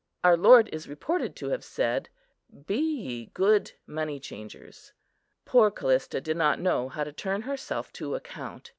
Our Lord is reported to have said, "Be ye good money changers." Poor Callista did not know how to turn herself to account.